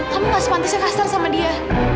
kamu nggak sepantisnya kasar sama dia